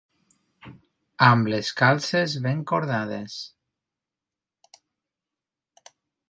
Amb les calces ben cordades.